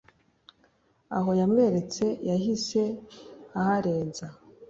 Aho yamweretse yahise aharenza.